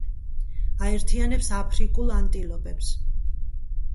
აერთიანებს აფრიკულ ანტილოპებს.